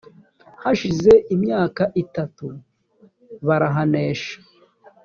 hashize imyaka itatu barahanesha